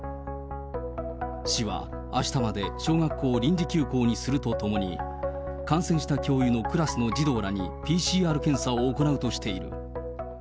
市はあしたまで小学校を臨時休校にするとともに、感染した教諭のクラスの児童らにＰＣＲ検査を行うとしている。